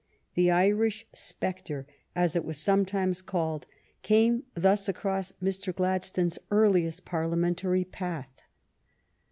" The Irish spectre," as it was sometimes called, came thus across Mr. Gladstone's earliest Parlia mentary path.